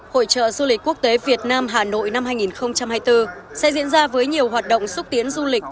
hội trợ du lịch quốc tế việt nam hà nội năm hai nghìn hai mươi bốn sẽ diễn ra với nhiều hoạt động xúc tiến du lịch